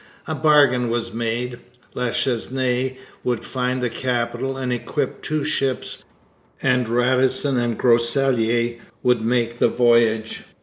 A bargain was made. La Chesnaye would find the capital and equip two ships, and Radisson and Groseilliers would make the voyage.